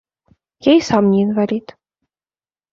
Я і сам не інвалід.